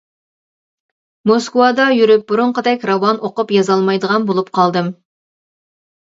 موسكۋادا يۈرۈپ بۇرۇنقىدەك راۋان ئوقۇپ يازالمايدىغان بولۇپ قالدىم.